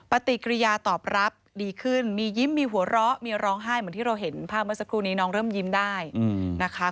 ปฏิกิริยาตอบรับดีขึ้นมียิ้มมีหัวเราะมีร้องไห้เหมือนที่เราเห็นภาพเมื่อสักครู่นี้น้องเริ่มยิ้มได้นะคะ